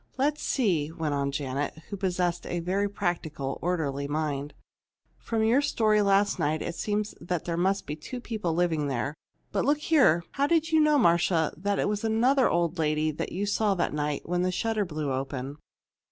Let's see," went on Janet, who possessed a very practical, orderly mind; "from your story last night it seems there must be two people living there but look here! how did you know, Marcia, that it was another old lady you saw that night when the shutter blew open?"